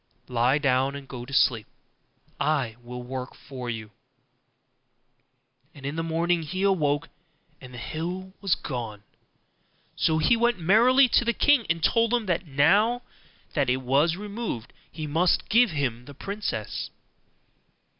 'Lie down and go to sleep; I will work for you.' And in the morning he awoke and the hill was gone; so he went merrily to the king, and told him that now that it was removed he must give him the princess.